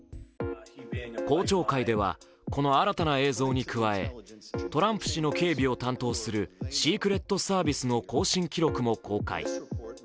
公聴会ではこの新たな映像に加えトランプ氏の警備を担当するシークレットサービスの交信記録も公開。